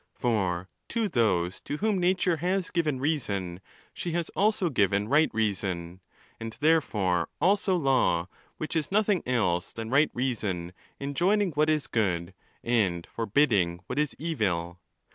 For to those to whom nature has given reason, she has also given right reason, and therefore also law, which is nothing else than right reason enjoining what is good, and forbidding what is evil.